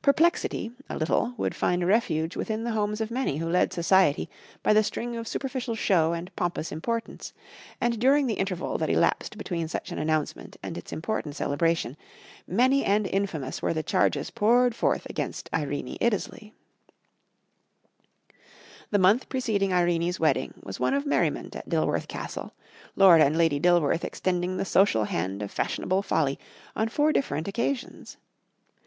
Perplexity, a little, would find refuge within the homes of many who led Society by the string of superficial show and pompous importance; and during the interval that elapsed between such an announcement and its important celebration, many and infamous were the charges poured forth against Irene Iddesleigh. The month preceding Irene's wedding was one of merriment at Dilworth Castle, Lord and Lady Dilworth extending the social hand of fashionable folly on four different occasions.